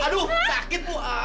aduh sakit bu